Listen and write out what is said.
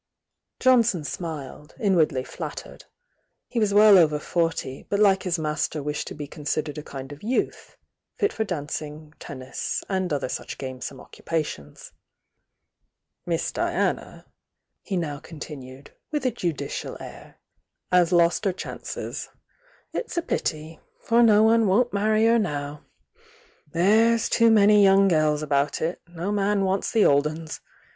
Jonson smiled, inwardly flattered. He was well over forty, but like his master wished to be consid ered a kind of youth, fit for dancing, tennis and other such gamesome occupations. "Miss Diana," he now continued, with a judicial air "has lost her chances. It's a pity!— for no one won't marry her now. There's too many young gels about,— no man wants the old 'uns.